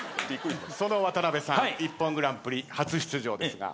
その渡辺さん『ＩＰＰＯＮグランプリ』初出場ですが？